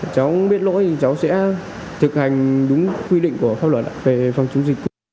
cháu biết lỗi thì cháu sẽ thực hành đúng quy định của pháp luật về phòng chống dịch